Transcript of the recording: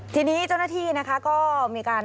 ทีนี้เจ้าหน้าที่นะคะก็มีการ